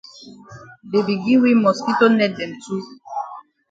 Dey be gi we mosquito net dem too.